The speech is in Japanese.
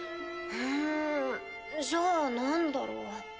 うんじゃあなんだろう？